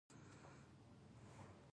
ولایتونه د ځوانانو لپاره ډېره دلچسپي لري.